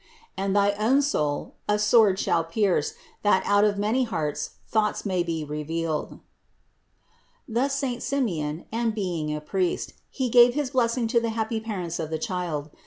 And thy own soul a sword shall pierce, that out of many hearts thoughts may be revealed." Thus saint Simeon ; and being a priest 2 34 510 CITY OF GOD he gave his blessing to the happy parents of the Child.